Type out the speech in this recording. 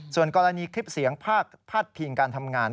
ส่วนกรณีคลิปเสียงพาดพิงการทำงาน